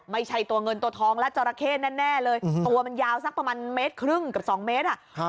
ไม่ใช่ตัวเงินตัวทองและจราเข้แน่เลยตัวมันยาวสักประมาณเมตรครึ่งกับ๒เมตร